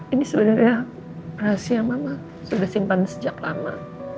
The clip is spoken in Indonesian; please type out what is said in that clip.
ini sebenarnya rahasia mama sudah simpan sejak lama